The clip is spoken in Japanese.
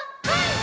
はい！